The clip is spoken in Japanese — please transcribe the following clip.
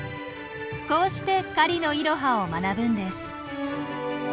こうして狩りのイロハを学ぶんです。